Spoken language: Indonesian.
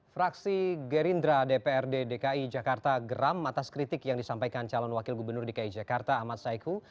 fraksi gerindra dprd dki jakarta geram atas kritik yang disampaikan calon wakil gubernur dki jakarta ahmad saiku